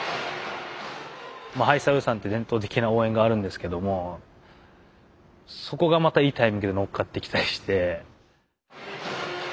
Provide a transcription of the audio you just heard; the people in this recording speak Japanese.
「ハイサイおじさん」って伝統的な応援があるんですけどもそこがまたいいタイミングで乗っかってきたりして。